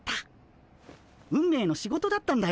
運命の仕事だったんだよ